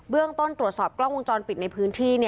ต้นตรวจสอบกล้องวงจรปิดในพื้นที่